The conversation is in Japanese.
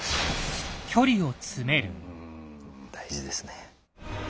大事ですね。